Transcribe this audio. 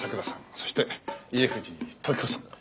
そして家藤時子さん。